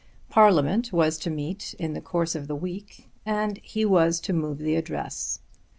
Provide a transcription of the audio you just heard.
Parliament was to meet in the course of the next week and he was to move the address.